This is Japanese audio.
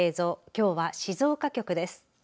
きょうは静岡局です。